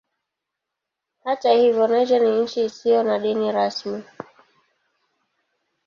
Hata hivyo Niger ni nchi isiyo na dini rasmi.